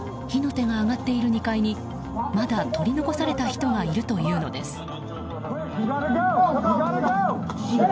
火の手が上がっている２階にまだ取り残された人がいるというのです。